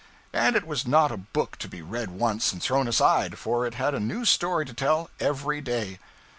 And it was not a book to be read once and thrown aside, for it had a new story to tell every day.